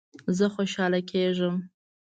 زه خوشحاله کیږم